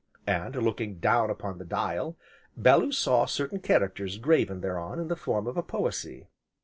And, looking down upon the dial, Bellew saw certain characters graven thereon in the form of a poesy.